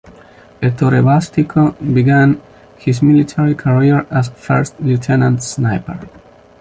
Ettore Bastico began his military career as first lieutenant sniper.